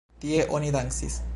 Tie oni dancis.